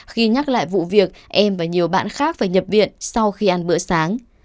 khi nhắc lại vụ việc em và nhiều bạn khác phải nhập viện sau khi ăn bữa sáng